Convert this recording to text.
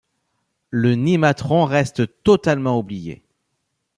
Le Nimatron reste totalement oublié.